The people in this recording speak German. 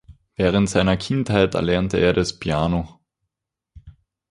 Während seiner Kindheit erlernte er das Piano.